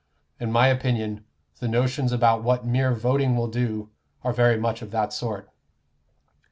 In my opinion, the notions about what mere voting will do are very much of that sort."